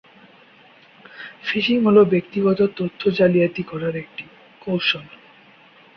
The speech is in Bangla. ফিশিং হল ব্যক্তিগত তথ্য জালিয়াতি করার একটি কৌশল।